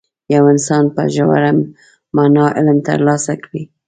یو انسان په ژوره معنا علم ترلاسه کړي.